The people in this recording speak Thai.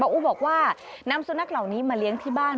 อู้บอกว่านำสุนัขเหล่านี้มาเลี้ยงที่บ้าน